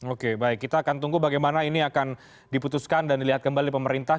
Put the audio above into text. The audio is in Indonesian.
oke baik kita akan tunggu bagaimana ini akan diputuskan dan dilihat kembali pemerintah